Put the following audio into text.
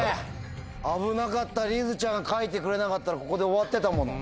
危なかったりづちゃんが書いてくれなかったらここで終わってたもの。